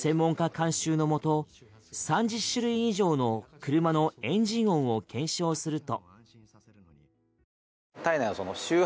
監修のもと３０種類以上の車のエンジン音を検証すると。